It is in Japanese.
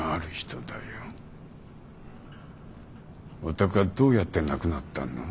お宅はどうやって亡くなったの。